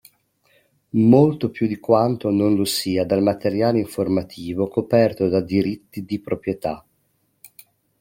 Molto più di quanto non lo sia dal materiale informativo coperto da diritti di proprietà.